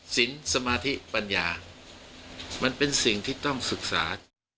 สมาธิปัญญามันเป็นสิ่งที่ต้องศึกษา